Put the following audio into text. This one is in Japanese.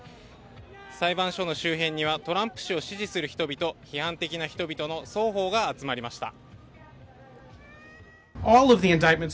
裁判所の周辺にはトランプ氏を支持する人々、批判的な人々の双方が集まりました。